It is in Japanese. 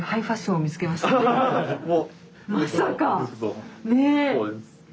まさか！ね！